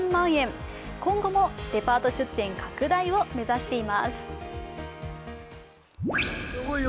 今後もデパート出店拡大を目指しています。